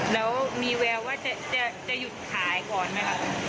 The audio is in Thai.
แล้วมีแววว่าจะหยุดขายก่อนไหมคะ